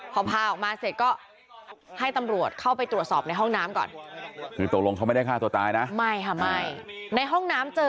พอพาออกมาเสร็จก็ให้ตำรวจเข้าไปตรวจสอบในห้องน้ำก่อน